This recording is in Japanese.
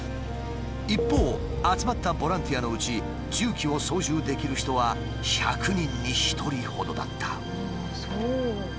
一方集まったボランティアのうち重機を操縦できる人は１００人に１人ほどだった。